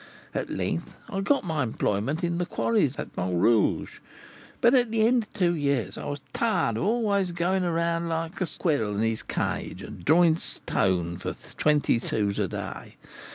At length I got employment in the quarries at Montrouge; but, at the end of two years, I was tired of going always around like a squirrel in his cage, and drawing stone for twenty sous a day.